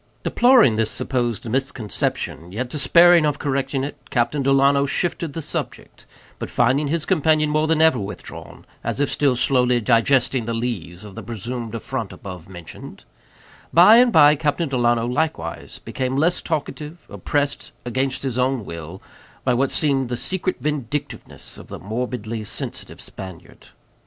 Deploring this supposed misconception, yet despairing of correcting it, Captain Delano shifted the subject; but finding his companion more than ever withdrawn, as if still sourly digesting the lees of the presumed affront above mentioned, by and by Captain Delano likewise became less talkative, oppressed, against his own will, by what seemed the secret vindictiveness of the morbidly sensitive Spaniard.